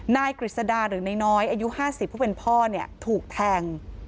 กฤษดาหรือนายน้อยอายุ๕๐ผู้เป็นพ่อเนี่ยถูกแทง